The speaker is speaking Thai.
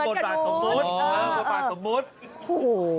เผิร์ดบ๋าตหบุทธโอ้โฮ